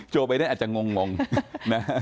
โจไบเดนอาจจะงงนะ